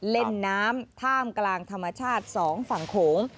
เล่นน้ำท่ามกลางธรรมชาติ๒ฝั่งโขง